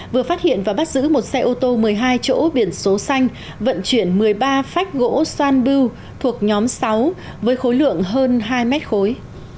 vừa phát hiện và bắt giữ một xe ô tô một mươi hai chỗ biển số xanh vận chuyển một mươi ba phách gỗ xoan bưu thuộc nhóm sáu với khối lượng hơn hai mét khối